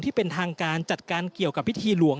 ที่เป็นทางการจัดการเกี่ยวกับพิธีหลวง